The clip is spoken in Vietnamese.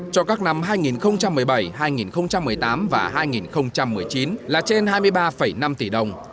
cho các năm hai nghìn một mươi bảy hai nghìn một mươi tám và hai nghìn một mươi chín là trên hai mươi ba năm tỷ đồng